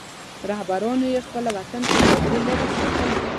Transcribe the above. رهبرانو یې خپل وطن له جګړې لرې ساتلی.